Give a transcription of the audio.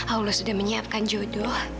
allah sudah menyiapkan jodoh